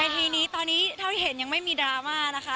ทีนี้ตอนนี้เท่าที่เห็นยังไม่มีดราม่านะคะ